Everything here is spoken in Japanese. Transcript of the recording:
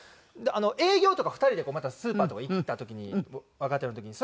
営業とか２人でまたスーパーとか行った時に若手の時に。